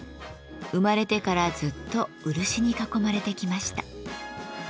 生まれてからずっと漆に囲まれてきました。